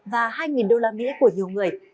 và hai usd của nhiều người